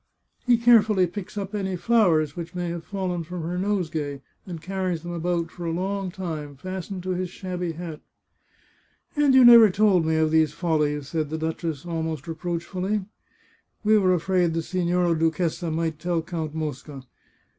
He carefully picks up any flowers which may have fallen from her nosegay, and carries them about for a long time, fastened to his shabby hat." " And you never told me of these follies ?" said the duchess, almost reproachfully. " We were afraid the Signora Duchessa might tell Count Mosca.